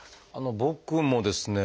僕もですね